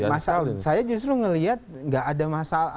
masalah saya justru melihat tidak ada masalah